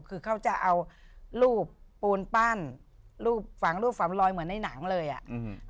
คือเขาจะเอารูปปูนปั้นรูปฝังรูปฝังลอยเหมือนในหนังเลยอ่ะอืม